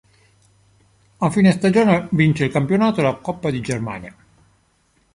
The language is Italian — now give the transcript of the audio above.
A fine stagione vince il campionato e la coppa di Germania.